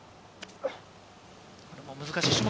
これも難しい種目。